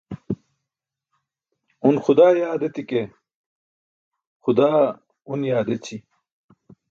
Un xudaa yaad eti̇ ke, xudaa une yaad eći.